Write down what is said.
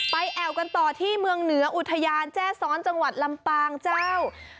แอวกันต่อที่เมืองเหนืออุทยานแจ้ซ้อนจังหวัดลำปางเจ้า